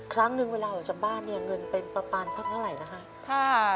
ครั้งหนึ่งเวลาออกจากบ้านเนี่ยเงินเป็นประมาณสักเท่าไหร่นะคะ